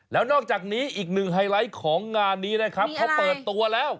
แล้วนอกจากนี้อีกหนึ่งไฮไลท์ของงานนี้นะครับเขาเปิดตัวแล้ว